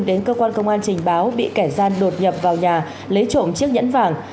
đến cơ quan công an trình báo bị kẻ gian đột nhập vào nhà lấy trộm chiếc nhẫn vàng